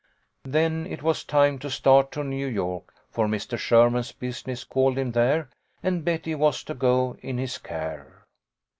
Then it was time to start to New York, for Mr. Sherman's business called him there, and Betty was to go in his care.